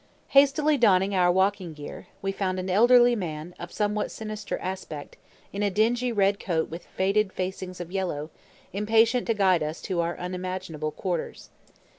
Hastily donning our walking gear, we found an elderly man, of somewhat sinister aspect, in a dingy red coat with faded facings of yellow, impatient to guide us to our unimaginable quarters.